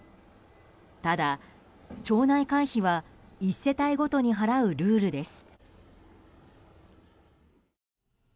ただ、町内会費は１世帯ごとに払うルールです。